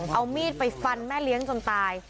เอามีดไปฟันแม่เลี้ยงจนตาย